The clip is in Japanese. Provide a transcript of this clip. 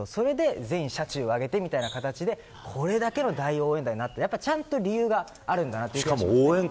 全社中をあげてという感じでこんだけの大応援団になってちゃんと理由があるんだなと。